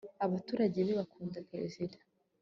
abaturage be bakunda perezida